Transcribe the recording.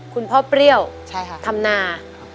คุณพ่อเปรี้ยวทำนา